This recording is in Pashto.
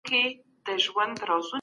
په خپل کار کي مهارت پیدا کړه.